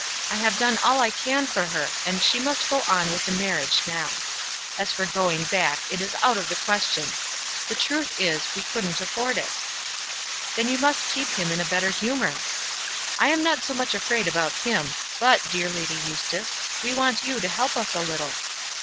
I have done all I can for her, and she must go on with the marriage now. As for going back, it is out of the question. The truth is, we couldn't afford it." "Then you must keep him in a better humour." "I am not so much afraid about him; but, dear Lady Eustace, we want you to help us a little."